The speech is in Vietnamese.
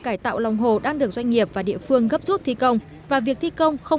cải tạo lòng hồ đang được doanh nghiệp và địa phương gấp rút thi công và việc thi công không